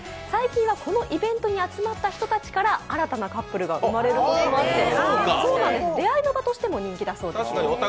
最近はそのイベントに集まった人たちから新たなカップルが生まれることもあるそうで、出会いの場としても人気だそうですよ。